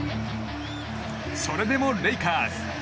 それでもレイカーズ